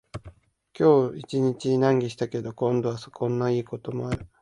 今日一日難儀したけれど、今度はこんないいこともある